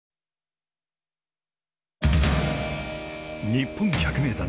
日本百名山